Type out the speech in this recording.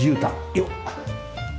よっ。